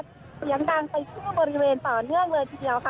เสียงดังไปทั่วบริเวณต่อเนื่องเลยทีเดียวค่ะ